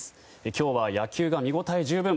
今日は野球が見応え十分。